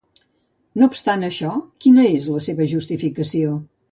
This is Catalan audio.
No obstant això, quina és la seva justificació?